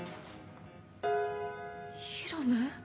ヒロムー。